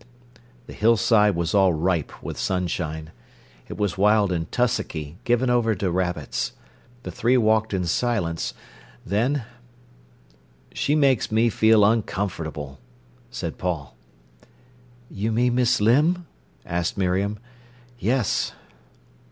The hillside was all ripe with sunshine. It was wild and tussocky, given over to rabbits. The three walked in silence. Then: "She makes me feel uncomfortable," said Paul. "You mean Miss Limb?" asked Miriam. "Yes."